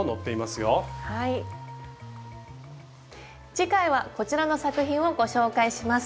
次回はこちらの作品をご紹介します。